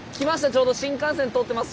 ちょうど新幹線通ってます。